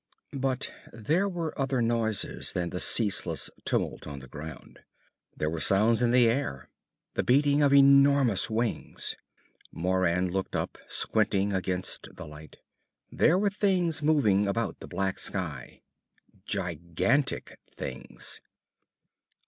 But there were other noises than the ceaseless tumult on the ground. There were sounds in the air; the beating of enormous wings. Moran looked up, squinting against the light. There were things moving about the black sky. Gigantic things.